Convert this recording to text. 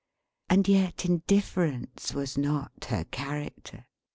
And yet indifference was not her character.